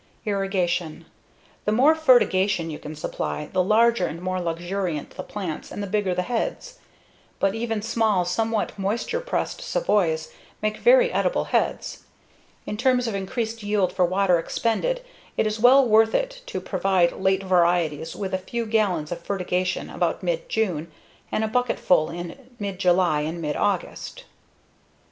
Irrigation: The more fertigation you can supply, the larger and more luxuriant the plants and the bigger the heads. But even small, somewhat moisture stressed savoys make very edible heads. In terms of increased yield for water expended, it is well worth it to provide late varieties with a few gallons of fertigation about mid June, and a bucketful in mid July and mid August.